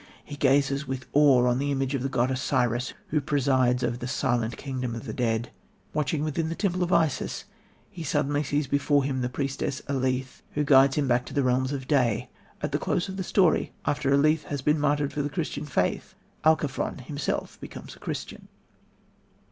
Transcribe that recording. He gazes with awe on the image of the god Osiris, who presides over the silent kingdom of the dead. Watching within the temple of Isis, he suddenly sees before him the priestess, Alethe, who guides him back to the realms of day. At the close of the story, after Alethe has been martyred for the Christian faith, Alciphron himself becomes a Christian.